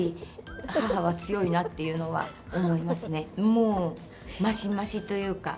もう増し増しというか。